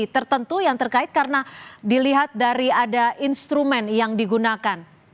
tertentu yang terkait karena dilihat dari ada instrumen yang digunakan